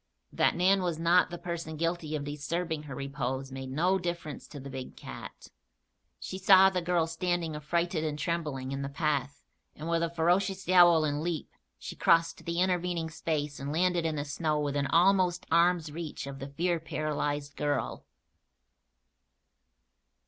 That Nan was not the person guilty of disturbing her repose made no difference to the big cat. She saw the girl standing, affrighted and trembling, in the path and with a ferocious yowl and leap she crossed the intervening space and landed in the snow within almost arm's reach of the fear paralyzed girl.